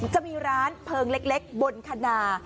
จะมีร้านเพลิงเล็กบนคณา